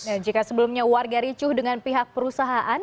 nah jika sebelumnya warga ricuh dengan pihak perusahaan